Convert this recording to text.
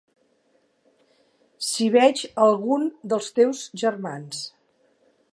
Si veig algun dels teus germans.